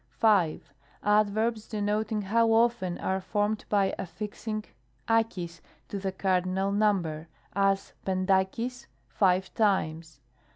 5. Adverbs denoting how often, are formed by affixing dxcg to the cardinal number; as, Tttvvdxcgj " five times."